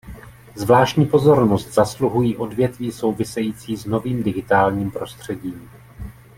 Zvláštní pozornost zasluhují odvětví související s novým digitálním prostředím.